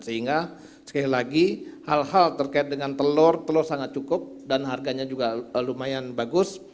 sehingga sekali lagi hal hal terkait dengan telur telur sangat cukup dan harganya juga lumayan bagus